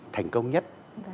thành công nhất